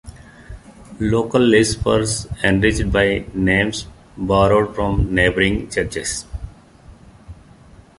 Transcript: Local lists were enriched by names borrowed from neighbouring churches.